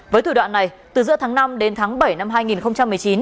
với thủ đoạn này từ giữa tháng năm đến tháng bảy năm hai nghìn một mươi chín